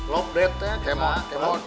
logdet ya kemot